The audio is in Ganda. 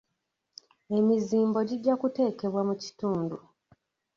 Emizimbo gijja kuteekebwawo mu kitundu.